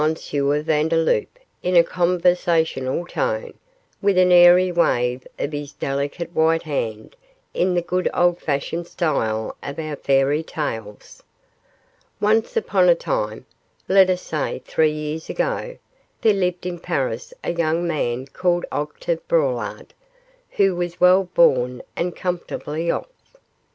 Vandeloup, in a conversational tone, with an airy wave of his delicate white hand, 'in the good old fashioned style of our fairy tales. Once upon a time let us say three years ago there lived in Paris a young man called Octave Braulard, who was well born and comfortably off.